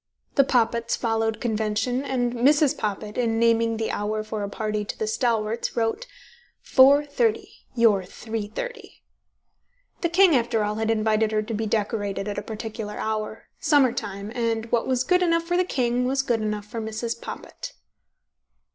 The Poppits followed convention, and Mrs. Poppit, in naming the hour for a party to the stalwarts, wrote "4.30 (your 3.30)". The King, after all, had invited her to be decorated at a particular hour, summer time, and what was good enough for the King was good enough for Mrs. Poppit.